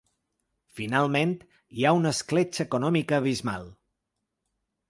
Finalment, hi ha una escletxa econòmica abismal.